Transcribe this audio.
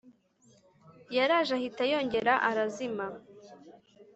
Yaraje ahita yongera arazima